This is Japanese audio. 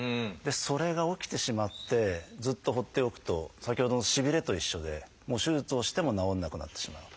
それが起きてしまってずっと放っておくと先ほどのしびれと一緒で手術をしても治らなくなってしまう。